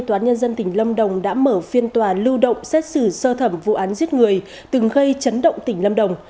tòa án nhân dân tỉnh lâm đồng đã mở phiên tòa lưu động xét xử sơ thẩm vụ án giết người từng gây chấn động tỉnh lâm đồng